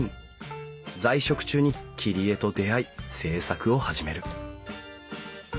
在職中に切り絵と出会い制作を始める。